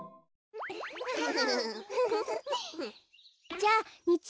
じゃあにち